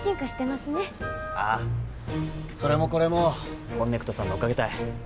それもこれもこんねくとさんのおかげたい。